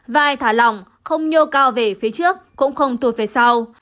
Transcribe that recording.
vai thả lỏng không nhô cao về phía trước cũng không tuột về sau